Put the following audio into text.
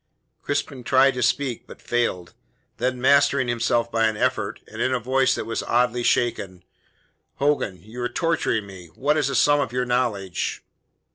Crispin tried to speak, but failed. Then, mastering himself by an effort, and in a voice that was oddly shaken: "Hogan," he cried, "you are torturing me! What is the sum of your knowledge?"